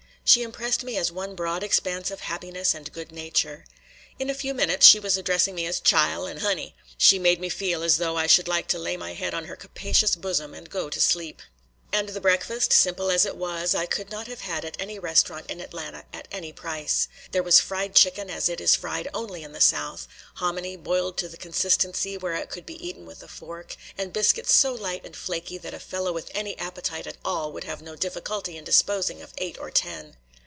She impressed me as one broad expanse of happiness and good nature. In a few minutes she was addressing me as "chile" and "honey." She made me feel as though I should like to lay my head on her capacious bosom and go to sleep. And the breakfast, simple as it was, I could not have had at any restaurant in Atlanta at any price. There was fried chicken, as it is fried only in the South, hominy boiled to the consistency where it could be eaten with a fork, and biscuits so light and flaky that a fellow with any appetite at all would have no difficulty in disposing of eight or ten.